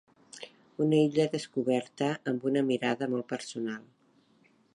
Una illa descoberta amb una mirada molt personal.